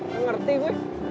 gak ngerti gue